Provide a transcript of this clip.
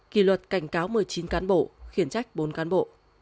kỳ luật cảnh cáo một mươi chín cán bộ khiển trách bốn cán bộ